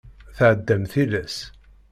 Tɛeddam tilas.